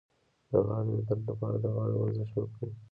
د غاړې د درد لپاره د غاړې ورزش وکړئ